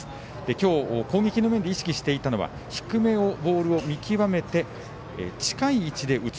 今日、攻撃の面で意識していたのは低めのボールを見極めて近い位置で打つ。